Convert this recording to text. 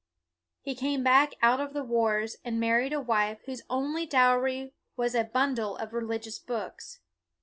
He came back out of the wars, and married a wife whose only dowry was a bundle of religious books.